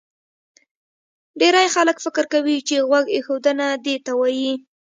ډېری خلک فکر کوي چې غوږ ایښودنه دې ته وایي